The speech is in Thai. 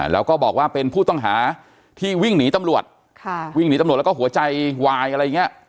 แล้วก็บอกว่าเป็นผู้ต้องหาที่วิ่งหนีตำรวจวิ่งหนีตำรวจแล้วก็หัวใจวายอะไรอย่างนี้